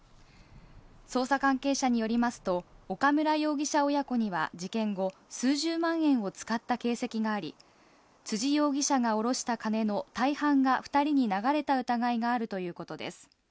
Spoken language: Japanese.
捜査関係者によりますと、岡村容疑者親子には事件後、数十万円を使った形跡があり、辻容疑者が下ろした金の大半が２人に流れた疑いがあるということです。